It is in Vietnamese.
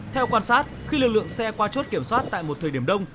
theo quan sát khi lực lượng xe qua chốt kiểm soát tại một thời điểm đông